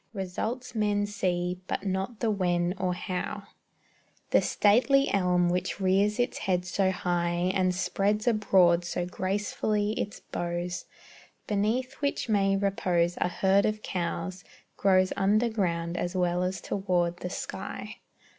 Results men see, but not the when, or how. The stately elm which rears its head so high, And spreads abroad so gracefully its boughs, Beneath which may repose a herd of cows, Grows under ground as well as toward the sky.